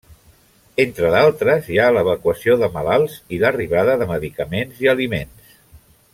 Entre d'altres hi ha l'evacuació de malalts i l'arribada de medicaments i aliments.